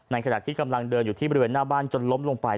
ขณะที่กำลังเดินอยู่ที่บริเวณหน้าบ้านจนล้มลงไป